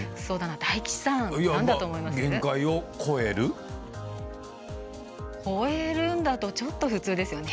越えるんだとちょっと普通ですよね。